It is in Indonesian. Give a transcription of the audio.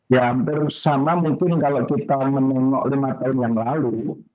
ya hampir sama mungkin kalau kita menengok lima tahun yang lalu